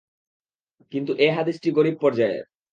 কিন্তু এ হাদীসটি গরীব পর্যায়ের।